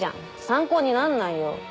参考になんないよ。